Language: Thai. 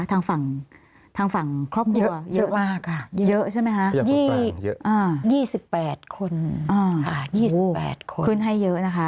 ทางฝั่งทางฝั่งครอบครัวเยอะมากค่ะเยอะใช่ไหมคะเยอะอ่ายี่สิบแปดคนอ่ายี่สิบแปดคนคืนให้เยอะนะคะ